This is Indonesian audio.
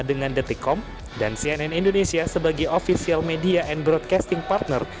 dengan detikom dan cnn indonesia sebagai official media and broadcasting partner